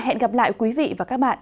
hẹn gặp lại quý vị và các bạn